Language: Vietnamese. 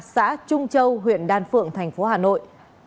xã trung châu huyện đan phượng thành phố hà nội